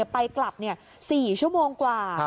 ไปกลับ๔ชั่วโมงกว่า